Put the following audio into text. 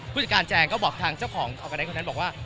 ผู้จัดการแจงก็บอกทางเจ้าของออร์แกนคนนั้นบอกว่า